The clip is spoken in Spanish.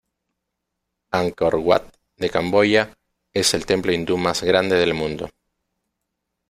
Angkor Wat de Camboya es el templo hindú más grande del mundo.